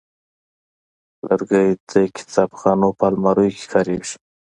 لرګی د کتابخانو په الماریو کې کارېږي.